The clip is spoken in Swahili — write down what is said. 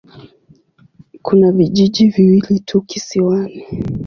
Kuna vijiji viwili tu kisiwani.